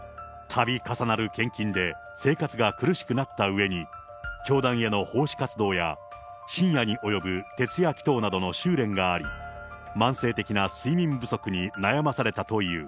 たび重なる献金で生活が苦しくなったうえに、教団への奉仕活動や深夜に及ぶ徹夜祈とうなどの修練があり、慢性的な睡眠不足に悩まされたという。